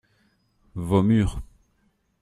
Vos murs.